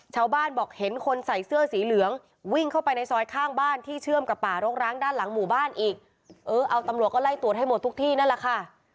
ชาวบ้านบอกเห็นคนใส่เสื้อสีเหลืองวิ่งเข้าไปในซอยข้างบ้านที่เชื่อมกับป่ารกร้างด้านหลังหมู่บ้านอีกเออเอาตำรวจก็ไล่ตรวจให้หมดทุกที่นั่นแหละค่ะ